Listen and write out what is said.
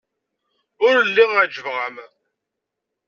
Ur lliɣ ɛejbeɣ-am.